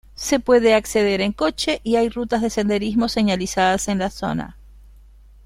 Se puede acceder en coche y hay rutas de senderismo señalizadas en la zona.